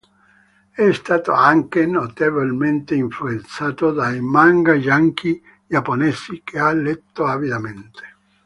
È stato anche notevolmente influenzato dai "manga yankee giapponesi" che ha letto avidamente.